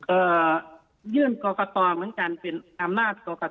เอ่อยื่นกรกตเหมือนกันเป็นอำนาจกรกต